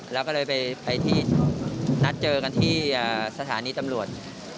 เราก็เลยไปไปที่นัดเจอกันที่อ่าสถานีตำลวจ